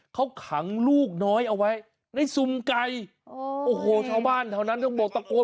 เขาขังลูกน้อยเอาไว้ในซุ่มไก่โอ้โหชาวบ้านแถวนั้นต้องบอกตะโกน